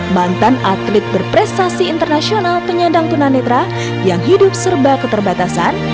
mantan atlet berprestasi internasional penyandang tunanetra yang hidup serba keterbatasan